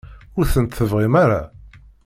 Ur tent-tebɣim ara?